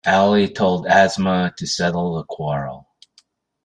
Ali told Asma to settle the quarrel.